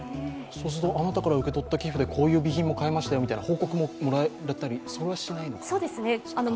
あなたから受け取った寄付でこういう備品を買えましたよという報告ももらえたり、それはしないのかな？